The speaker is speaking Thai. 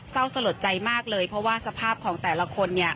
เศร้าสะลดใจมากเลยเพราะว่าสภาพของแต่ละคนเนี่ย